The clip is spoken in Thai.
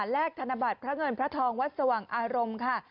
ธนบัตรพระเงินพระทองวัดสว่างอารมณ์ค่ะ